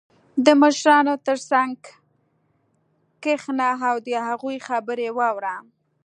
• د مشرانو تر څنګ کښېنه او د هغوی خبرې واوره.